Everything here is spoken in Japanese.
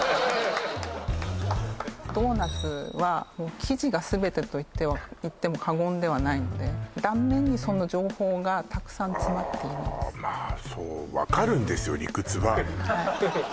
ドーナツは生地が全てと言っても過言ではないので断面にその情報がたくさん詰まっているんですまあ